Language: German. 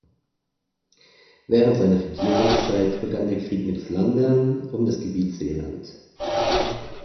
Während seiner Regierungszeit begann der Krieg mit Flandern um das Gebiet Zeeland.